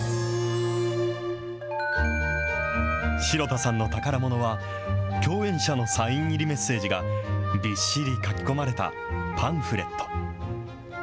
城田さんの宝ものは、共演者のサイン入りメッセージが、びっしり書き込まれたパンフレット。